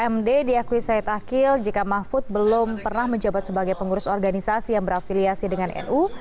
md diakui syed akil jika mahfud belum pernah menjabat sebagai pengurus organisasi yang berafiliasi dengan nu